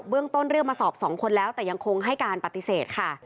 เรื่องต้นเรียกมาสอบ๒คนแล้วแต่ยังคงให้การปฏิเสธค่ะ